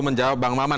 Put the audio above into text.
itu menjawab bang maman